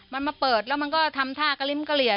มันมาเปิดแล้วมันก็ทำท่ากระลิ้มเกลี่ย